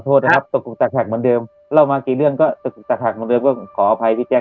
ขอโทษนะครับตกตกจากจากเหมือนเดิมเรามากี่เรื่องก็ตกจากจากเหมือนเดิมก็ขออภัยพี่แจ๊ก